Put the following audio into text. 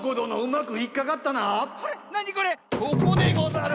ここでござる！